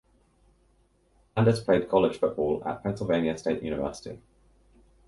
Landis played college football at Pennsylvania State University.